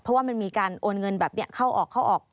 เพราะว่ามันมีการโอนเงินแบบนี้เข้าออกเข้าออก